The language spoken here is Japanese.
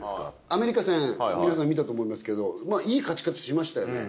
アメリカ戦皆さん見たと思いますけどいい勝ち方しましたよね。